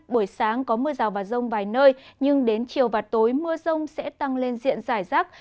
buổi sáng có mưa rào và rông vài nơi nhưng đến chiều và tối mưa rông sẽ tăng lên diện giải rác